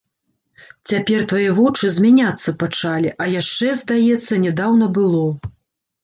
Цяпер твае вочы змяняцца пачалі, а яшчэ, здаецца, нядаўна было!